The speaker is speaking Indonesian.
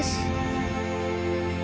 saya juga berdua